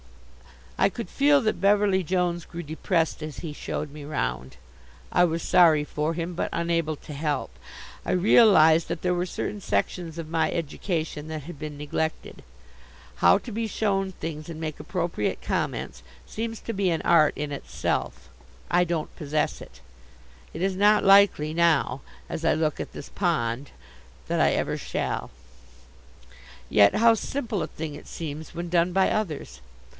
I could feel that Beverly Jones grew depressed as he showed me round. I was sorry for him, but unable to help. I realized that there were certain sections of my education that had been neglected. How to be shown things and make appropriate comments seems to be an art in itself. I don't possess it. It is not likely now, as I look at this pond, that I ever shall. Yet how simple a thing it seems when done by others.